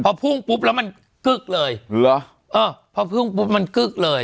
พอพุ่งปุ๊บแล้วมันกึ๊กเลยเหรอเออพอพุ่งปุ๊บมันกึ๊กเลย